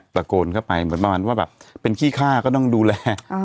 ตะโกนเข้าไปเหมือนประมาณว่าแบบเป็นขี้ฆ่าก็ต้องดูแล